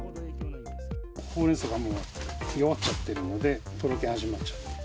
ほうれんそうがもう、弱っちゃってるので、とろけ始めちゃってる。